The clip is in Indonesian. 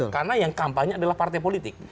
karena yang kampanye adalah partai politik